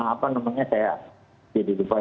apa namanya saya jadi lupa